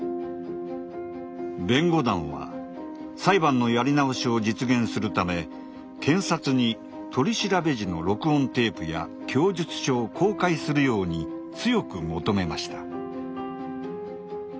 弁護団は裁判のやり直しを実現するため検察に取り調べ時の録音テープや供述書を公開するように強く求めました。